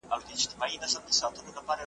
خلکو آباد کړل خپل وطنونه .